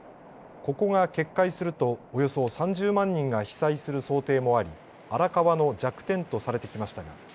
ここが決壊するとおよそ３０万人が被災する想定もあり荒川の弱点とされてきました。